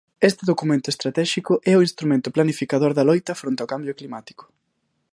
Este documento estratéxico é o instrumento planificador da loita fronte ao cambio climático.